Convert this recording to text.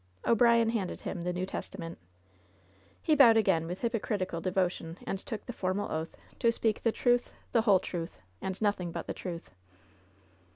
O'Brien handed him the New Testament. He bowed again with hypocritical devotion and took the formal oath to speak "the truth, the whole truth, and nothing but the truth."